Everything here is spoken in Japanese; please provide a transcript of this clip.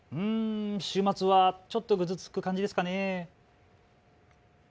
週末はちょっとぐずつく感じですかね。